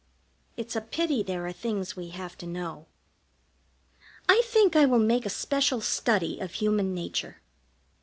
It's a pity there are things we have to know. I think I will make a special study of Human Nature.